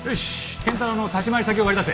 賢太郎の立ち回り先を割り出せ。